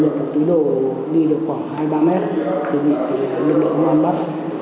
nhận được túi đổ đi được khoảng hai ba mét thì bị lực lượng hà văn bắt